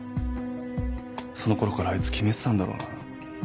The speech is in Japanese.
そのころからあいつ決めてたんだろうな